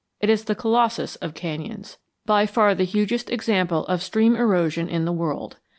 It is the Colossus of canyons, by far the hugest example of stream erosion in the world.